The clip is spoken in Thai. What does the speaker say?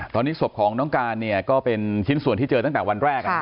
ตอนนี้ศพของน้องการเนี่ยก็เป็นชิ้นส่วนที่เจอตั้งแต่วันแรก